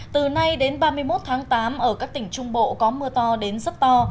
từ nay đến ba mươi một tháng tám ở các tỉnh trung bộ có mưa to đến rất to